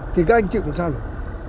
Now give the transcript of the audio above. thì các anh chịu làm sao được